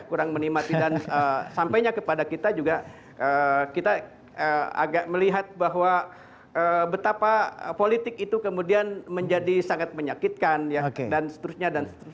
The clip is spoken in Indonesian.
kurang menikmati dan sampainya kepada kita juga kita agak melihat bahwa betapa politik itu kemudian menjadi sangat menyakitkan dan seterusnya